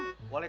oh iya itu